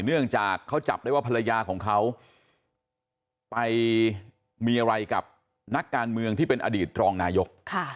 เนื่องจากเขาจับได้ว่าภรรยาของเขาไปมีอะไรกับนักการเมืองที่เป็นอดีตรองนายก